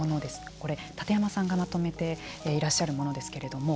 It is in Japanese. これ、立山さんがまとめていらっしゃるものですけれども。